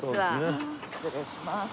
失礼します。